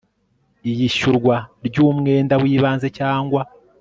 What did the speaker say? Iyishyurwa ry umwenda w ibanze cyangwa